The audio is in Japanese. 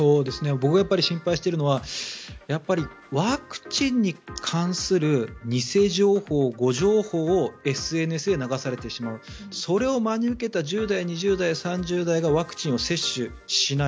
僕がやっぱり心配しているのはワクチンに関する偽情報、誤情報をＳＮＳで流されてしまうそれを真に受けた１０代、２０代、３０代がワクチンを接種しない。